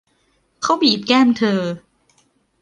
เขาบีบแก้มเธอ